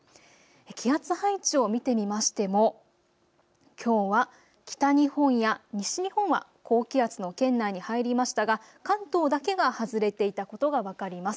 気圧配置を見てみましてもきょうは北日本や西日本は高気圧の圏内に入りましたが関東だけが外れていたことが分かります。